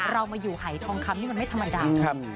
เรามาอยู่หายทองคำนี่มันไม่ธรรมดา